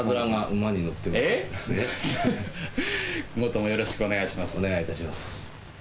今後ともよろしくお願お願いいたします。